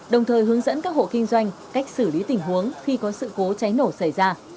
đồng thời hướng dẫn các hộ kinh doanh cách xử lý tình huống khi có sự cố cháy nổ xảy ra